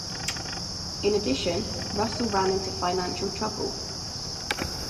In addition, Russell ran into financial trouble.